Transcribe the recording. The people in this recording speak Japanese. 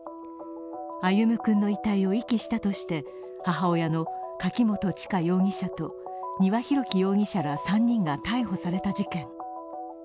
歩夢君の遺体を遺棄したとして母親の柿本知香容疑者と丹羽洋樹容疑者ら３人が逮捕された事件。